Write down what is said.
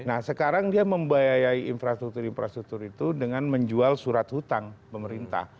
nah sekarang dia membayai infrastruktur infrastruktur itu dengan menjual surat hutang pemerintah